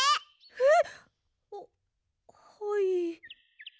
えっ！？